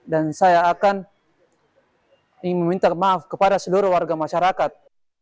dan saya akan ingin meminta maaf kepada seluruh warga masyarakat